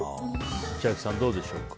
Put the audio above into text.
千秋さん、どうでしょうか。